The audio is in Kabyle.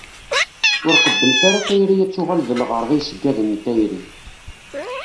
Ur qebblet ara tayri ad tuɣal d lɣerḍ i yiṣeggaden n tayri.